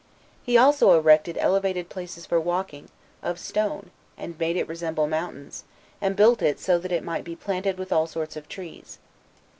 22 He also erected elevated places for walking, of stone, and made it resemble mountains, and built it so that it might be planted with all sorts of trees.